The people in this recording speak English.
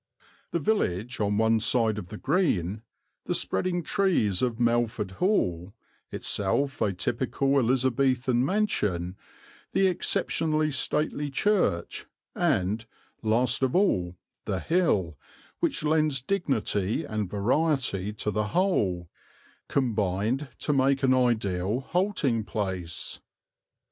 The village on one side of the green, the spreading trees of Melford Hall, itself a typical Elizabethan mansion, the exceptionally stately church and, last of all, the hill which lends dignity and variety to the whole, combined to make an ideal halting place.